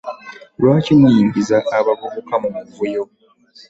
Lwaki muyingiza abavubuka mu muvuyo?